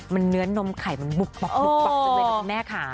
มันเนื้อนนมไข่มันบุกตัวเลยครับปันแม่ขา